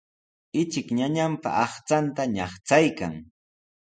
Ichik ñañanpa aqchanta ñaqchaykan.